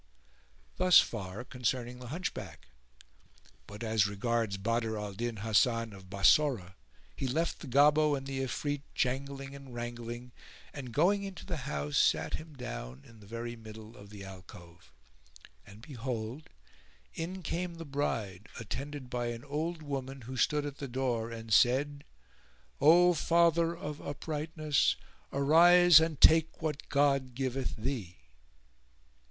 Thus far concerning the Hunchback, but as regards Badr al Din Hasan of Bassorah he left the Gobbo and the Ifrit jangling and wrangling and, going into the house, sat him down in the very middle of the alcove; and behold, in came the bride attended by an old woman who stood at the door and said, "O Father of Uprightness, [FN#423] arise and take what God giveth thee."